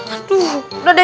aduh udah deh